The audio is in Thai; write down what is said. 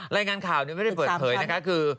รายงานข่าวนรายงานไม่เปิดเขยนะค่ะ